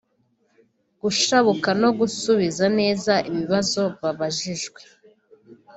gushabuka no gusubiza neza ibibazo babajijwe